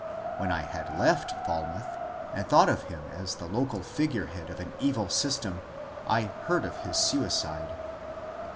When I had left Falmouth, and thought of him as the local figure head of an evil system, I heard of his suicide.